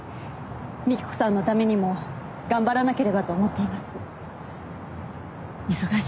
美紀子さんのためにも頑張らなければと思っています。